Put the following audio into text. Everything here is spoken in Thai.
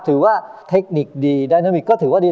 ถือว่าเทคนิคดีไดโนมิกก็ถือว่าดี